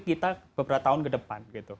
kita beberapa tahun ke depan